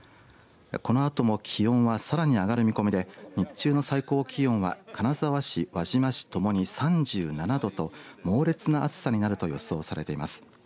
このあとも気温はさらに上がる見込みで日中の最高気温は金沢市、輪島市ともに３７度と猛烈な暑さになると予想されています。